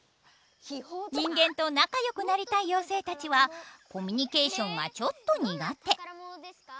人間と仲よくなりたい妖精たちはコミュニケーションがちょっと苦手。